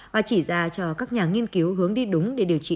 và chỉ ra cho các nhà nghiên cứu hướng đi đúng để điều trị